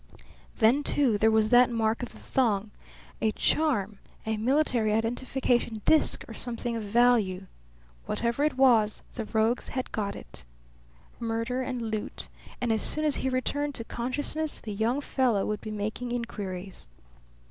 Then, too, there was that mark of the thong a charm, a military identification disk or something of value. Whatever it was, the rogues had got it. Murder and loot. And as soon as he returned to consciousness the young fellow would be making inquiries.